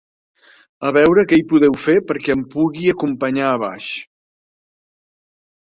A veure què hi podeu fer perquè em pugui acompanyar a baix.